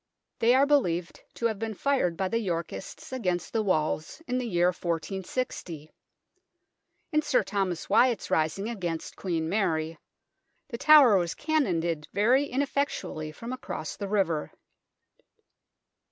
They are believed to have been fired by the Yorkists against the walls in the year 1460. In Sir Thomas Wyatt's rising against Queen Mary, The Tower was cannonaded very ineffectually from across the river.